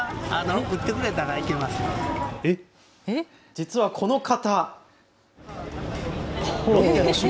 実はこの方。